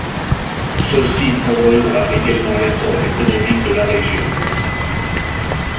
Ce site favorisera également l'essor économique de la région.